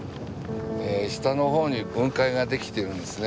下のほうに雲海ができてるんですね。